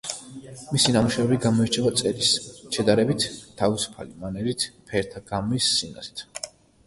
მისი ნამუშევრები გამოირჩევა წერის შედარებით თავისუფალი მანერით, ფერთა გამის სინაზით.